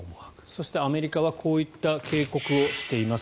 そしてアメリカはこういった警告をしています。